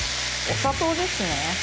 お砂糖ですね。